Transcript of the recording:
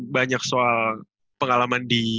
banyak soal pengalaman di